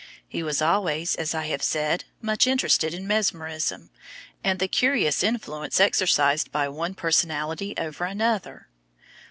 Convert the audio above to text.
He was always, as I have said, much interested in mesmerism, and the curious influence exercised by one personality over another.